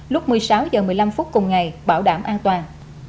lúc một mươi sáu h một mươi năm phút cùng ngày bảo đảm an toàn